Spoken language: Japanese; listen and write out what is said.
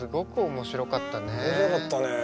面白かったね。